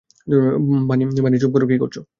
বানি, চুপ করো, কি করছ।